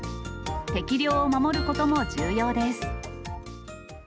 適量を守ることも重要です。